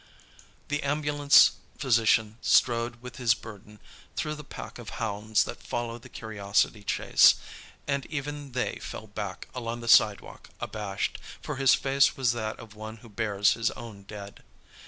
The ambulance physician strode with his burden through the pack of hounds that follow the curiosity chase, and even they fell back along the sidewalk abashed, for his face was that of one who bears his own dead.